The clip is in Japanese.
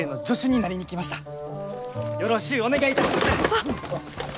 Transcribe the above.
あっ！